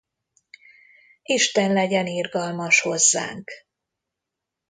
Isten legyen irgalmas hozzánk.